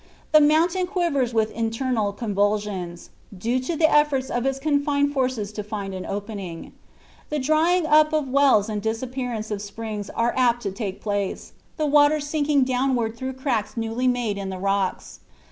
The mountain quivers with internal convulsions, due to the efforts of its confined forces to find an opening. The drying up of wells and disappearance of springs are apt to take place, the water sinking downward through cracks newly made in the rocks.